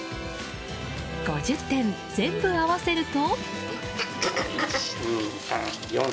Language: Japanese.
５０点全部合わせると。